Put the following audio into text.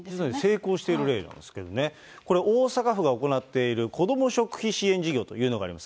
成功している例なんですけどね、これ、大阪府が行っている子ども食費支援事業というのがあります。